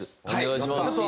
お願いします。